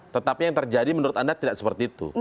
tetapi yang terjadi menurut anda tidak seperti itu